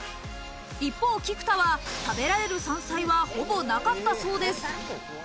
一方、菊田は食べられる山菜はほぼなかったそうです。